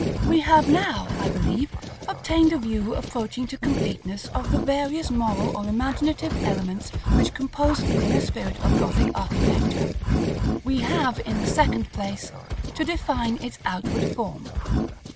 § LXXIX. We have now, I believe, obtained a view approaching to completeness of the various moral or imaginative elements which composed the inner spirit of Gothic architecture. We have, in the second place, to define its outward form.